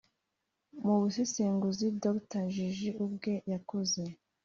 Mu busesenguzi Dr Jiji ubwe yakoze